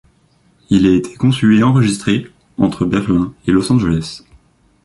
Il a été conçu et enregistré entre Berlin et Los Angeles.